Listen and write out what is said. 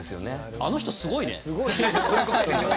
あの人すごいね。